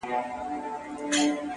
هغه د ساه کښلو لپاره جادوگري غواړي”